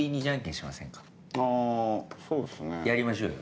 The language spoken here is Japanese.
やりましょうよ。